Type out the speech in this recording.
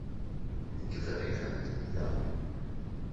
Nekk bɣiɣ ad lemdeɣ.